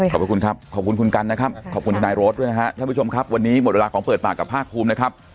ท่านผู้ชมครับวันนี้หมดเวลาของเปิดปากกับภาคภูมินะครับ